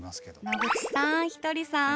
野口さんひとりさん。